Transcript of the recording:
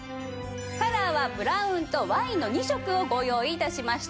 カラーはブラウンとワインの２色をご用意いたしました。